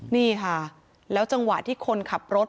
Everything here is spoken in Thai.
นี่ค่ะแล้วจังหวะที่คนขับรถ